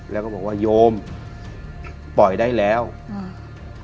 แล้วก็บอกว่าโยมปล่อยได้แล้วอืม